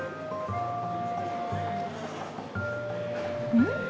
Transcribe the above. うん？